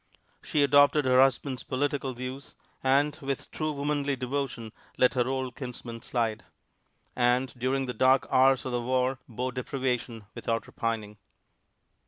She adopted her husband's political views and with true womanly devotion let her old kinsmen slide; and during the dark hours of the war bore deprivation without repining.